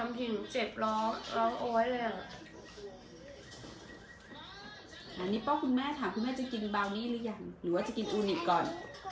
อันนี้พ่อคุณแม่ถามคุณแม่จะกินบางนี่หรือยังหรือว่าจะกินอูนิกก่อน